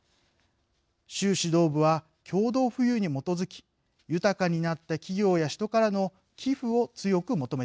習指導部は共同富裕に基づき豊かになった企業や人からの寄付を強く求めています。